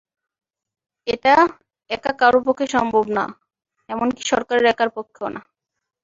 এটা একা কারও পক্ষে করা সম্ভব না, এমনকি সরকারের একার পক্ষেও না।